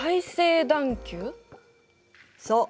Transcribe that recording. そう。